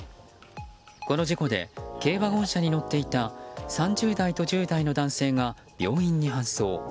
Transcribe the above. この事故で軽ワゴン車に乗っていた３０代と１０代の男性が病院に搬送。